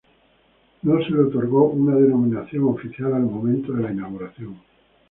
No se le otorgó una denominación oficial al momento de la inauguración.